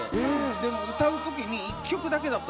でも歌うときに１曲だけでも